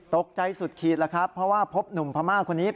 ตกใจสุดขีดแล้วครับเพราะว่าพบหนุ่มพม่าคนนี้